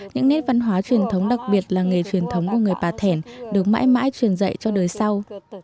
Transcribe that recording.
những nét văn hóa truyền thống đặc biệt là nghề truyền thống của người bà thẻn được mãi mãi truyền dạy cho đời sau